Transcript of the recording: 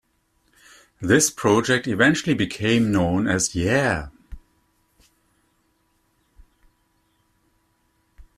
This project eventually became known as Yeah!